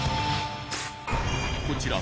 こちら